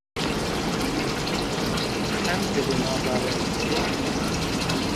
Çend gilê na dare est ê